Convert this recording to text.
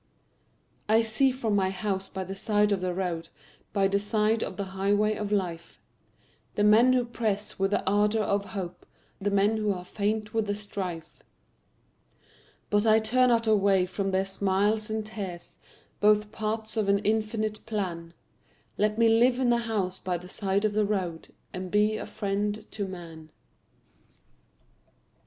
I see from my house by the side of the road By the side of the highway of life, The men who press with the ardor of hope, The men who are faint with the strife, But I turn not away from their smiles and tears, Both parts of an infinite plan Let me live in a house by the side of the road And be a friend to man.